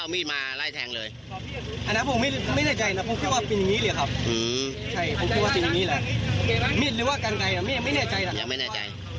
มาทั้งหนึ่ง